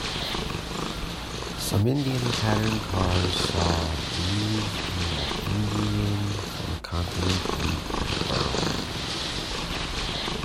Some Indian Pattern cars saw use in the Indian subcontinent and Burma.